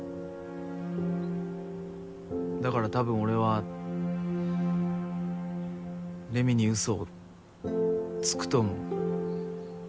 だから多分俺はレミにうそをつくと思う。